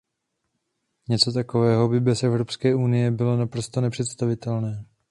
Něco takového by bez Evropské unie bylo naprosto nepředstavitelné.